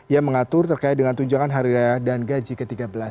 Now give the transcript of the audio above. yang mengatur terkait dengan tunjangan hari raya dan gaji ke tiga belas